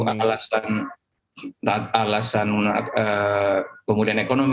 alasan penggunaan ekonomi